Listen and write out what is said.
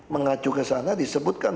mengacu ke sana disebutkan